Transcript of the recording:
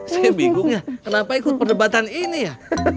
saya bingung ya kenapa ikut perdebatan ini ya